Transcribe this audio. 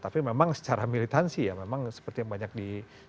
tapi memang secara militansi ya memang seperti yang banyak di